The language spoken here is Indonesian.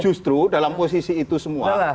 justru dalam posisi itu semua